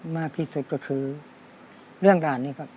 มากที่สุดก็คือเรื่องด่านนี้ครับ